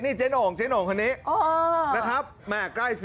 นี่เจ้โน่งเท่านี้